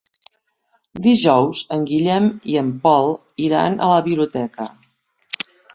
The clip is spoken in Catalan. Dijous en Guillem i en Pol iran a la biblioteca.